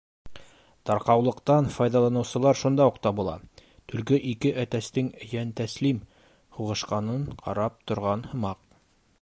Тарҡаулыҡтан файҙаланыусылар шунда уҡ табыла: төлкө ике әтәстең йәнтәслим һуғышҡанын ҡарап торған һымаҡ.